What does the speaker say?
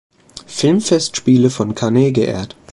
Filmfestspiele von Cannes geehrt.